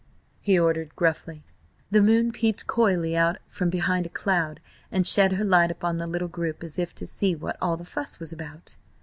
he ordered gruffly. The moon peeped coyly out from behind a cloud and shed her light upon the little group as if to see what all the fuss was about.